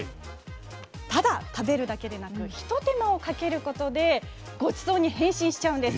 ただ食べるだけでなくひと手間をかけることでごちそうに変身しちゃうんです。